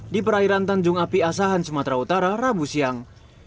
di perairan tanjung api asahan sumatera utara rabu siang